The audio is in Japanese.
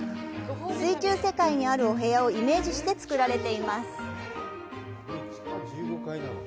水中世界にあるお部屋をイメージして造られています。